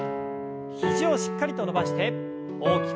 肘をしっかりと伸ばして大きく。